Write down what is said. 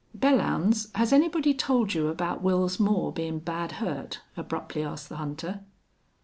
"Belllounds, has anybody told you about Wils Moore bein' bad hurt?" abruptly asked the hunter.